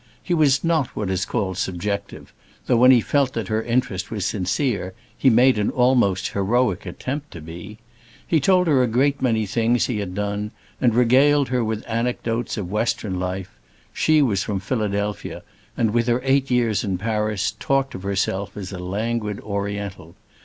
He was not what is called subjective, though when he felt that her interest was sincere, he made an almost heroic attempt to be. He told her a great many things he had done, and regaled her with anecdotes of Western life; she was from Philadelphia, and with her eight years in Paris, talked of herself as a languid Oriental.